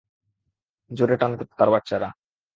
জোরে টান, কুত্তার বাচ্চারা!